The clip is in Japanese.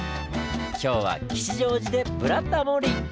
今日は吉祥寺で「ブラタモリ」！